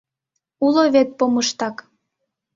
Уло вет помыштак.